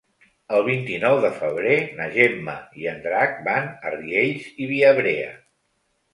El vint-i-nou de febrer na Gemma i en Drac van a Riells i Viabrea.